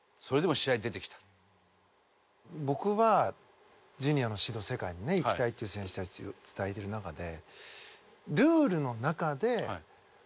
僕はジュニアの指導世界にねいきたいっていう選手たちに伝えてる中で。